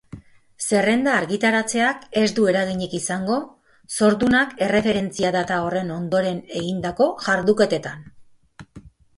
Zerrenda argitaratzeak ez du eraginik izango zordunak erreferentzia-data horren ondoren egindako jarduketetan.